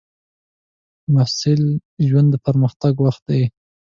د محصل ژوند د پرمختګ وخت دی.